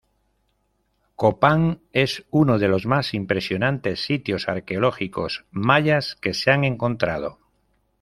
Copán es uno de los más impresionantes sitios arqueológicos mayas que se han encontrado.